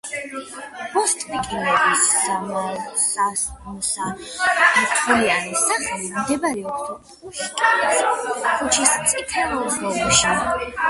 ბოსტრიკინების სამსართულიანი სახლი მდებარეობს პუშკინის ქუჩის წითელ ზოლში.